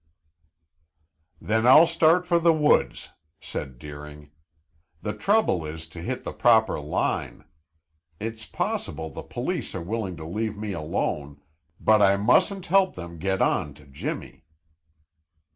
"Then, I'll start for the woods," said Deering. "The trouble is to hit the proper line. It's possible the police are willing to leave me alone, but I mustn't help them get on to Jimmy."